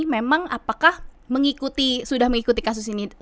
memang apakah sudah mengikuti kasus ini